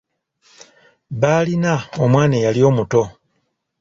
Baalina omwana eyali omuto.